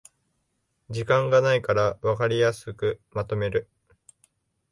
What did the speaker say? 時間がないからわかりやすくまとめる